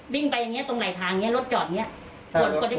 บิ่งไปอย่างนี้ตรงไหลทางรถจอดอย่างนี้